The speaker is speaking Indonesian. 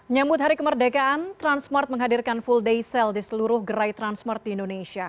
nyambut hari kemerdekaan transmart menghadirkan full day sale di seluruh gerai transmart di indonesia